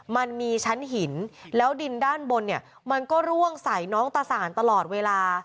มันมีชั้นหินแล้วดินด้านบนเนี่ยมันก็ร่วงใส่น้องตาสานตลอดเวลา